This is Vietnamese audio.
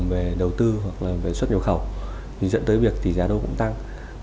về đầu tư hoặc là về xuất nhu cầu dẫn tới việc tỷ giá đô cũng tăng